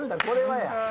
これは」や！